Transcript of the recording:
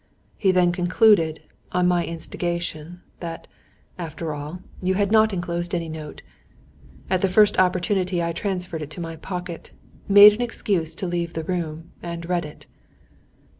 "He then concluded, on my instigation, that, after all, you had not enclosed any note. "At the first opportunity I transferred it to my pocket, made an excuse to leave the room, and read it.